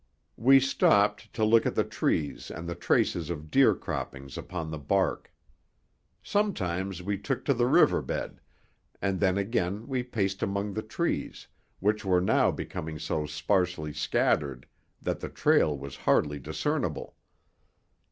We stopped to look at the trees and the traces of deer croppings upon the bark. Sometimes we took to the river bed, and then again we paced among the trees, which were now becoming so sparsely scattered that the trail was hardly discernible.